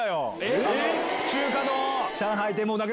中華丼を！